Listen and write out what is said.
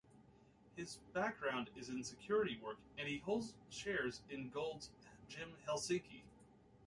His background is in security work, and he holds shares in Gold's Gym-Helsinki.